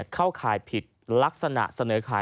เข้าข่ายผิดลักษณะเสนอขาย